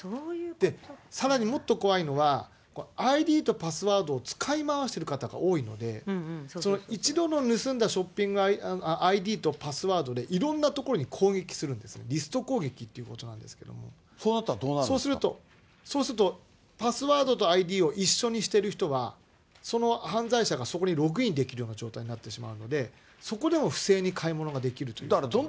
さらにもっと怖いのが、ＩＤとパスワードを使い回してる方が多いので、一度の盗んだショッピングＩＤとパスワードで、いろんなところに攻撃するんですね、リスト攻撃っていうことなんそうなったらどうなるんですそうすると、パスワードとＩＤを一緒にしてる人は、その犯罪者がそこにログインできるような状態になってしまうので、そこでも不正に買い物ができるということになりますね。